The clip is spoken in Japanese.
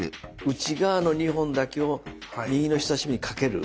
内側の２本だけを右の人さし指にかける。